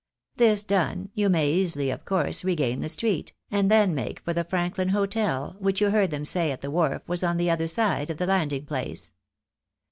This done, you may easily, of course, regain the street, and then make for the Franklin hotel, which you heard them say at the wharf was on the other side of the landing place.